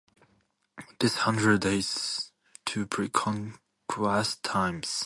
This hundred dates to pre Conquest times.